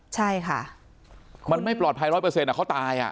ใช่ค่ะมันไม่ปลอดภัยร้อยเปอร์เซ็นเขาตาย